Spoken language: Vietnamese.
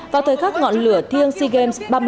vào thời khắc ngọn lửa thiêng sea games ba mươi bảy